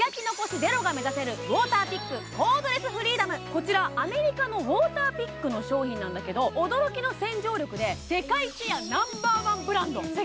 こちらアメリカのウォーターピックの商品なんだけど驚きの洗浄力で世界シェアナンバーワン。